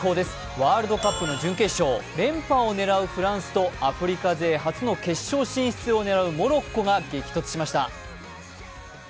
ワールドカップの準決勝、連覇を狙うフランスとアフリカ勢初の決勝進出を狙うモロッコが激突しました。